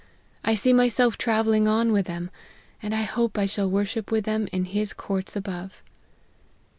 I see myself travelling on with them, and I hope I shall worship with them in His courts above